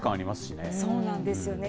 そうなんですよね。